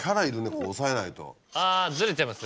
あぁずれちゃいます？